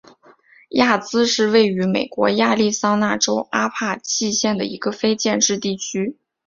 亚兹是位于美国亚利桑那州阿帕契县的一个非建制地区。